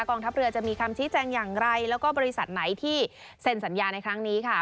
ทัพเรือจะมีคำชี้แจงอย่างไรแล้วก็บริษัทไหนที่เซ็นสัญญาในครั้งนี้ค่ะ